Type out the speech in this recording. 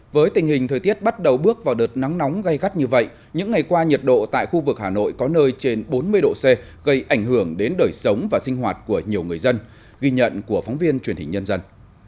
với tình hình thời tiết bắt đầu bước vào đợt nắng nóng gây gắt như vậy những ngày qua nhiệt độ tại khu vực hà nội có nơi trên bốn mươi độ c gây ảnh hưởng đến đời sống và sinh hoạt của nhiều người dân ghi nhận của phóng viên truyền hình nhân dân